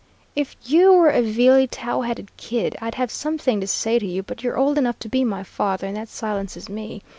"If you were a vealy tow headed kid, I'd have something to say to you, but you're old enough to be my father, and that silences me.